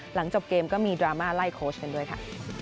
หลังจบเกมก็มีดราม่าไล่โค้ชกันด้วยค่ะ